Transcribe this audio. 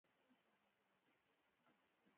د مبارکۍ نظمونه د نظم یو ډول دﺉ.